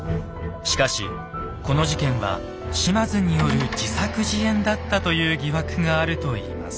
しかしこの事件は島津による自作自演だったという疑惑があるといいます。